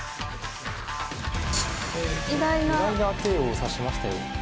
意外な手を指しましたよ。